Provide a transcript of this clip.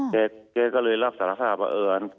เจอก็เลยรับสารภาพว่า